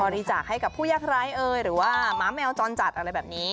บริจาคให้กับผู้ยักษ์ร้ายเอ้ยหรือว่าหมาแมวจอนจัดอะไรแบบนี้